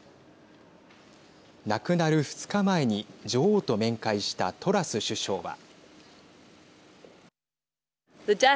亡くなる２日前に女王と面会したトラス首相は。